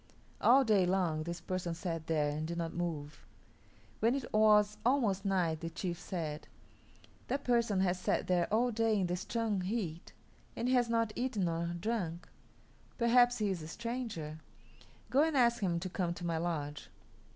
All day long this person sat there and did not move. When it was almost night the chief said, "That person has sat there all day in the strong heat, and he has not eaten nor drunk. Perhaps he is a stranger. Go and ask him to come to my lodge."